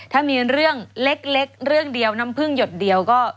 ถ้ามีเรื่องเล็กเรื่องเดียวน้ำผึ้งหยดเดียวก็